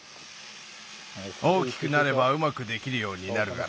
大きくなればうまくできるようになるがな。